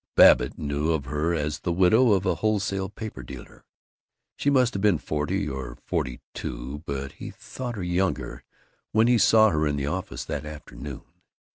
Babbitt knew of her as the widow of a wholesale paper dealer. She must have been forty or forty two but he thought her younger when he saw her in the office, that afternoon.